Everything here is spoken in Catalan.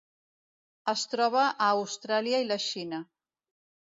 Es troba a Austràlia i la Xina.